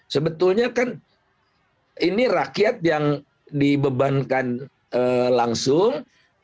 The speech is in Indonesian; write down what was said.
sebetulnya kan ini rakyat yang dibebankan langsung